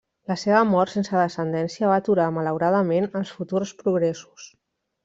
La seva mort sense descendència va aturar malauradament els futurs progressos.